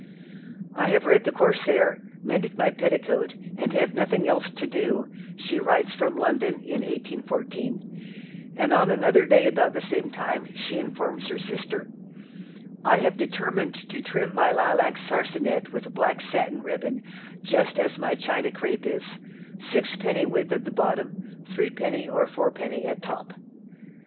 "I have read the 'Corsair,' mended my petticoat, and have nothing else to do," she writes from London in 1814, and on another day about the same time she informs her sister: "I have determined to trim my lilac sarsenet with black satin ribbon, just as my China crape is, six penny width at the bottom, threepenny or four penny at top."